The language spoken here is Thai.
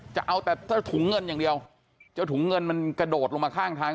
จะเอาแต่ถุงเงินอย่างเดียวเจ้าถุงเงินมันกระโดดลงมาข้างทาง